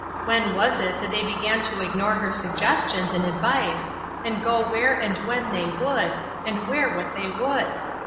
When was it that they began to ignore her suggestions and advice, and go where and when they would, and wear what they would